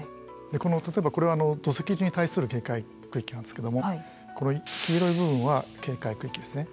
例えばこれは土石流に対する警戒区域なんですけどもこの黄色い部分は警戒区域ですね。